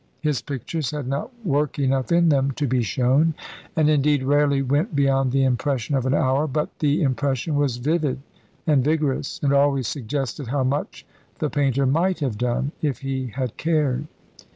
His pictures had not work enough in them to be shown; and, indeed, rarely went beyond the impression of an hour; but the impression was vivid and vigorous, and always suggested how much the painter might have done, if he had cared.